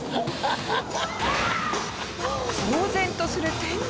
騒然とする店内。